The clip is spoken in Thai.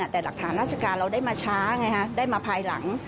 แต่หลักฐานราชการเราได้มาช้าไงฮะได้มาภายหลัง